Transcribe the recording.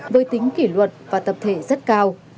với tính kỷ luật và tập thể rất cao